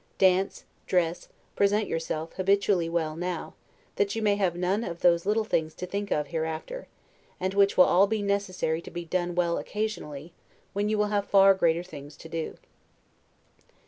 Dance, dress, present yourself, habitually well now, that you may have none of those little things to think of hereafter, and which will be all necessary to be done well occasionally, when you will have greater things to do.